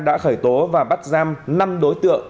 đã khởi tố và bắt giam năm đối tượng